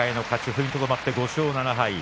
踏みとどまって５勝７敗。